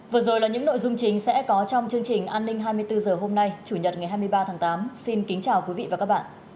vừa rồi là những nội dung chính sẽ có trong chương trình an ninh hai mươi bốn h hôm nay chủ nhật ngày hai mươi ba tháng tám xin kính chào quý vị và các bạn